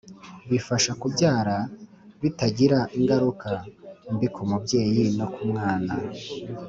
Bifasha kubyara bitagira ingaruka mbi ku mubyeyi no ku mwana